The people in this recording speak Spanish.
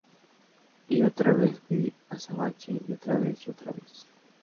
Y otra vez fui Azabache y otra vez y otra vez.